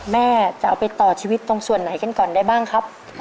แม่จะเอาไปต่อชีวิตตรงส่วนไหนกันก่อนได้บ้างครับ